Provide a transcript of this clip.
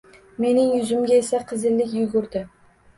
Mening yuzimga esa qizillik yugurdi